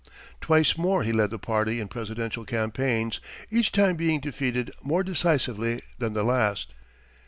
Twice more he led the party in presidential campaigns, each time being defeated more decisively than the last.